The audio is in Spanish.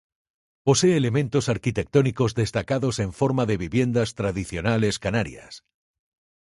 Posee elementos arquitectónicos destacados en forma de viviendas tradicionales canarias.